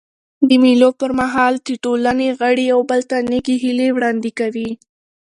د مېلو پر مهال د ټولني غړي یو بل ته نېکي هیلي وړاندي کوي.